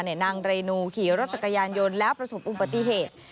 นางเรนูขี่รถจักรยานยนต์แล้วประสบอุบัติเหตุ